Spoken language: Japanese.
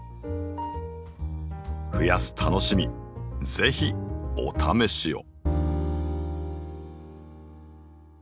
増やす楽しみ是非お試しを。